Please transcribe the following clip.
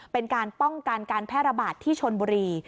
เป็นการป้องกันการแพร่ระบาดที่ชนบุรี